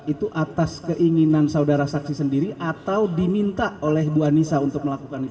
itu atas keinginan saudara saksi sendiri atau diminta oleh ibu anissa untuk melakukan itu